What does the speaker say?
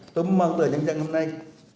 tôi mang tờ nhân trang hôm nay